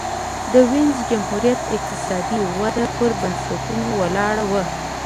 د وینز جمهوریت اقتصادي وده پر بنسټونو ولاړه وه.